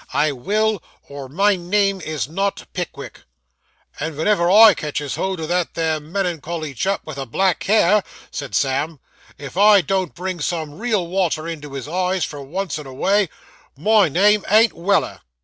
I will, or my name is not Pickwick.' 'And venever I catches hold o' that there melan cholly chap with the black hair,' said Sam, 'if I don't bring some real water into his eyes, for once in a way, my name ain't Weller.